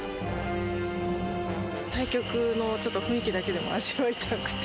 対局のちょっと雰囲気だけでも味わいたくて。